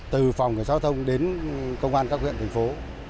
từ phòng giao thông đến công an các huyện thành phố